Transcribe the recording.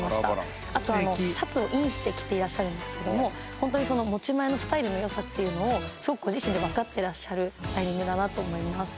あとシャツをインして着ていらっしゃるんですけどもホントにその持ち前のスタイルの良さっていうのをすごくご自身でわかってらっしゃるスタイリングだなと思います。